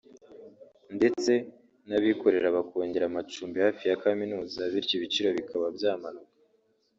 ndetse n’abikorera bakongera amacumbi hafi ya kaminuza bityo ibiciro bikaba byamanuka